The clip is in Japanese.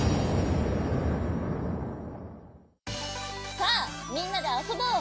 さあみんなであそぼう！